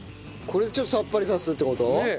これでちょっとさっぱりさせるって事？